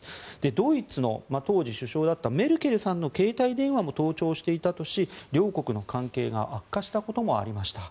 ドイツの当時、首相だったメルケルさんの携帯電話も盗聴していたとし両国の関係が悪化したこともありました。